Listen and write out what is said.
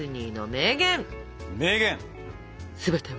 名言。